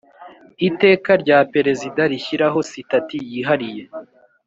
Iteka rya Perezida rishyiraho sitati yihariye